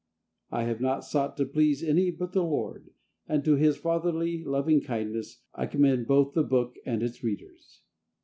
I have not sought to please any but the Lord, and to His fatherly loving kindness I commend both the book and its readers.